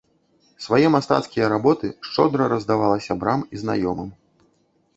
Свае мастацкія работы шчодра раздавала сябрам і знаёмым.